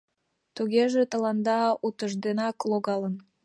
— Тугеже тыланда утыжденак логалын.